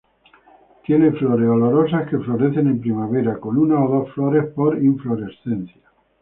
Tiene flores olorosas que florecen en primavera con una o dos flores por inflorescencia.